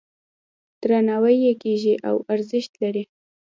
درناوی یې کیږي او ارزښت لري.